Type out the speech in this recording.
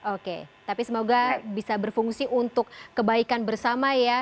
oke tapi semoga bisa berfungsi untuk kebaikan bersama ya